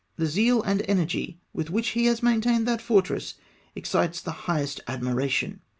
The zeal and energy with ivhich he has ^maintained that fortress excites the highest admiration.